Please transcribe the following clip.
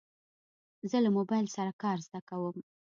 زه له موبایل سره کار زده کوم.